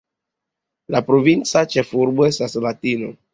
La provinca ĉefurbo estas Latino.